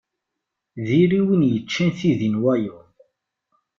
Diri win yeččan tidi n wayeḍ.